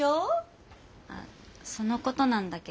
あそのことなんだけど。